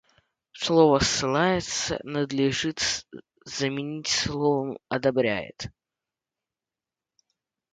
Слово «ссылается» надлежит заменить словом «одобряет».